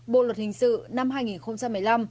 bộ luật hình sự năm hai nghìn một mươi năm